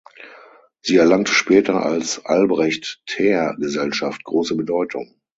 Sie erlangte später als „Albrecht-Thaer-Gesellschaft“ große Bedeutung.